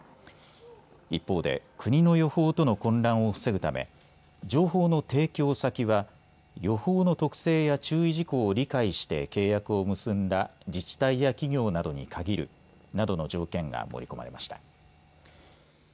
一方で国の予報との混乱を防ぐため情報の提供先は予報の特性や注意事項を理解して契約を結んだ自治体や企業などに限るなどの条件が盛り込まれました。